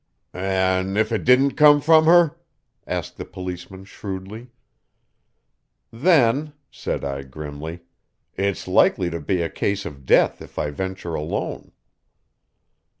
"An' if it didn't come from her?" asked the policeman shrewdly. "Then," said I grimly, "it's likely to be a case of death if I venture alone."